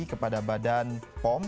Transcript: kepada badan pom